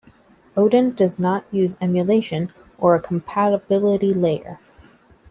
Odin does not use emulation or a compatibility layer.